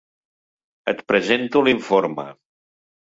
Et presento l'informe.